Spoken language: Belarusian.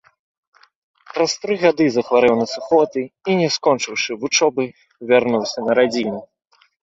Праз тры гады захварэў на сухоты і, не скончыўшы вучобы, вярнуўся на радзіму.